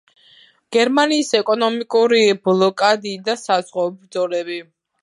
გერმანიის ეკონომიკური ბლოკადი და საზღვაო ბრძოლები.